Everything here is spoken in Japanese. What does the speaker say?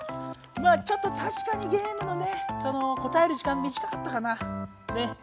まあちょっとたしかにゲームのねその時間みじかかったかな。ね。